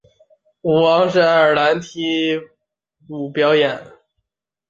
舞王是爱尔兰踢踏舞表演。